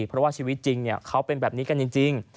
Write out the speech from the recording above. เพราะว่าชีวิตจริงเขาเป็นแบบนี้กันจริง